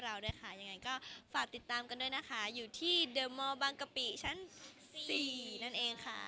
เราด้วยค่ะยังไงก็ฝากติดตามกันด้วยนะคะอยู่ที่ชั้นนั่นเองค่ะ